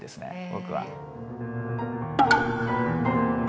僕は。